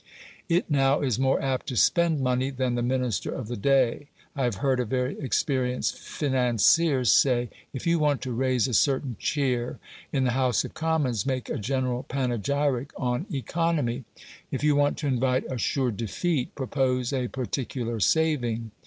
It now is more apt to spend money than the Minister of the day. I have heard a very experienced financier say, "If you want to raise a certain cheer in the House of Commons make a general panegyric on economy; if you want to invite a sure defeat, propose a particular saving".